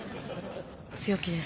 強気ですね。